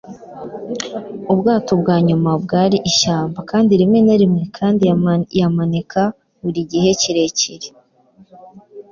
ubwato bwa nyuma, bwari ishyamba kandi rimwe na rimwe, kandi yamanika buri gihe kirekire